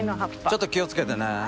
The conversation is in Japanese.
ちょっと気を付けてね。